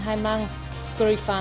đang có những diễn biến tích cực